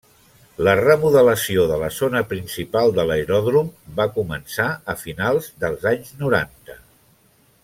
La remodelació de la zona principal de l'aeròdrom va començar a finals dels anys noranta.